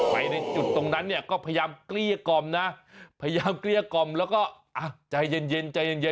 ไปในจุดตรงนั้นก็พยายามเกลี้ยกรอบนะพยายามเกลี้ยกรอบแล้วก็ใจเย็น